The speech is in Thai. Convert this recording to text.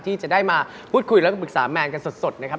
ที่จะได้มาพูดคุยแล้วก็ปรึกษาแมนกันสดนะครับ